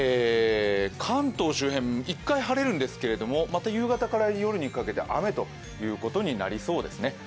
関東周辺、１回晴れるんですけどまた夕方から夜にかけて雨ということになりそうですね。